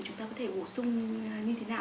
chúng ta có thể bổ sung như thế nào